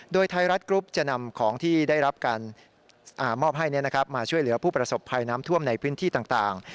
โดยไทยรัฐกรุ๊ปจะนำของที่ได้รับการมอบให้มาช่วยเหลือผู้ประสบภัยน้ำท่วมในพื้นที่ต่าง